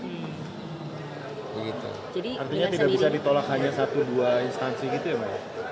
artinya tidak bisa ditolak hanya satu dua instansi gitu ya pak ya